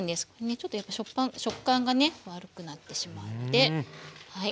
ちょっとやっぱ食感がね悪くなってしまうのではい